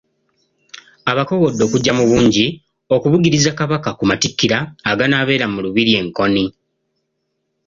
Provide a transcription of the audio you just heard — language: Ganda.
Abakowode okujja mu bungi okubugiriza Kabaka ku Matikkira aganaabera mu Lubiri e Nkoni.